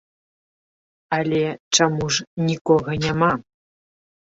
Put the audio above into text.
Але чаму ж нікога няма?